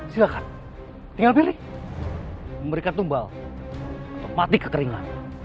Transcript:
silahkan tinggal pilih memberikan tumbal mati kekeringan